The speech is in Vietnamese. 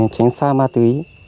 tránh xa ma túy